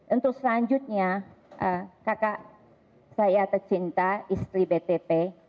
untuk selanjutnya kakak saya tercinta istri btp